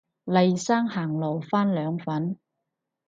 黎生行路返兩份